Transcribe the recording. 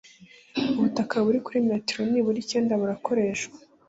ubutaka buri kuri metero nibura icyenda burakoreshwa